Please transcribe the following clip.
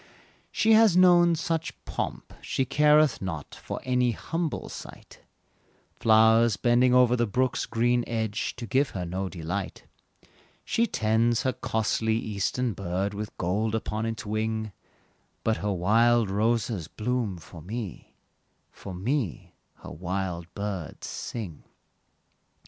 She has known such pomp, she careth not, For any humble sight; Flowers bending o'er the brook's green edge, To her give no delight; She tends her costly eastern bird With gold upon its wing; But her wild roses bloom for me, For me her wild birds sing.